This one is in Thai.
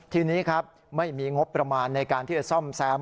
ทีนี้ครับไม่มีงบประมาณในการที่จะซ่อมแซม